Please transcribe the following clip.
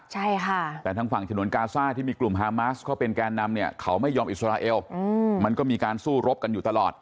ใช่ค่ะแต่ทางฝั่งฉนวนกาซ่าที่มีกลุ่มฮามาสเขาเป็นแกนนำเนี่ยเขาไม่ยอมอิสราเอลมันก็มีการสู้รบกันอยู่ตลอด